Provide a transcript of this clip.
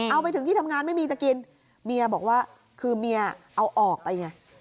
เอาไปถึงที่ทำงานไม่มีจะกินเมียบอกว่าคือเมียเอาออกไปไง